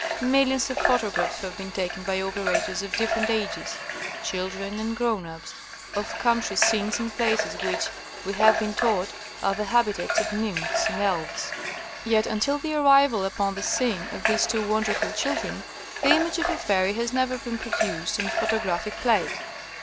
"Millions of photographs have been taken by operators of different ages — chil dren and grown ups — of country scenes and places which, we have been taught, are the habitats of nymphs and elves ; yet until the arrival upon the scene of these two won derful children the image of a fairy has never been produced on a photographic plate.